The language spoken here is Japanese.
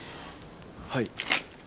はい。